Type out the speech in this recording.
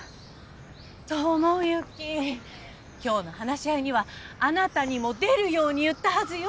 智之今日の話し合いにはあなたにも出るように言ったはずよ。